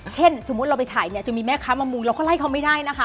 สมมุติเราไปถ่ายเนี่ยจะมีแม่ค้ามามุงเราก็ไล่เขาไม่ได้นะคะ